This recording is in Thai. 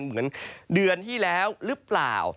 เหมือนเดือนที่แล้วหรือเปล่า